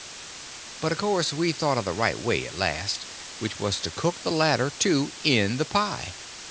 But of course we thought of the right way at last—which was to cook the ladder, too, in the pie.